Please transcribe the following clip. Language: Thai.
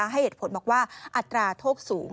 ให้เหตุผลบอกว่าอัตราโทษสูง